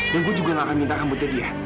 dan gua juga gak akan minta rambutnya dia